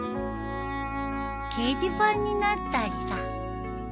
掲示板になったりさ。